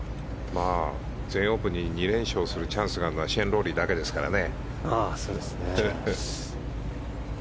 全英オープンを２連勝するチャンスがあるのはシェーン・ロウリーだけですからね。